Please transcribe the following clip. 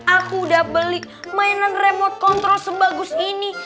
aku udah beli mainan remote control sebagus ini